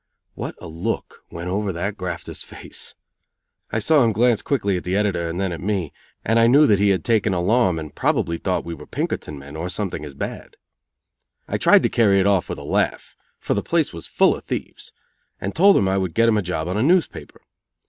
What a look went over that grafter's face! I saw him glance quickly at the editor and then at me, and I knew then he had taken alarm, and probably thought we were Pinkerton men, or something as bad. I tried to carry it off with a laugh, for the place was full of thieves, and told him I would get him a job on a newspaper.